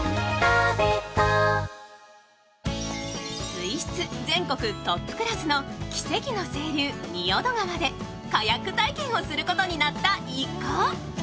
水質全国トップクラスの奇跡の清流・仁淀川でカヤック体験をすることになった一行。